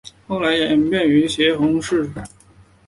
后来演变为斜红型式。